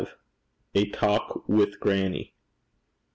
A TALK WITH GRANNIE.